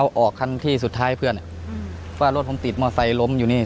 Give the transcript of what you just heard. เอาออกคันที่สุดท้ายเพื่อนว่ารถผมติดมอไซคล้มอยู่นี่